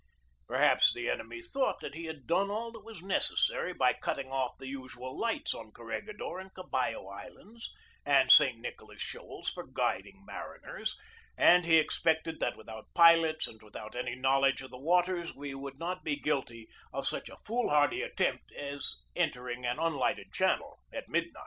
Perhaps the enemy thought that he had done all that was necessary by cutting off the usual lights on Corregidor and Caballo Islands and San Nicolas Shoals for guiding mariners, and he expected that without pilots and without any knowledge of the waters we would not be guilty of such a foolhardy at tempt as entering an unlighted channel at midnight.